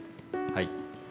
はい。